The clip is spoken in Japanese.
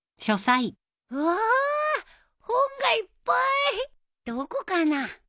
うわ本がいっぱいどこかな。